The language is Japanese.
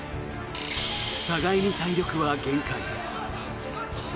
互いに体力は限界。